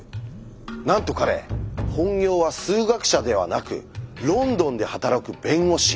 なんと彼本業は数学者ではなくロンドンで働く弁護士。